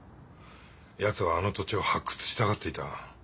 やつはあの土地を発掘したがっていた。